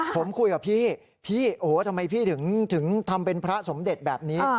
ผมคุยกับพี่พี่โอ้โหทำไมพี่ถึงทำเป็นพระสมเด็จแบบนี้